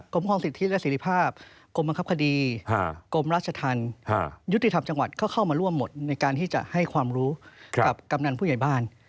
กรมครองสิทธิและเสร็จภาพกรมบังคับคดีกรมราชธรรมยุติธรรมจังหวัดก็เข้ามาร่วมหมดในการที่จะให้ความรู้กับกำนันผู้ใหญ่บ้าน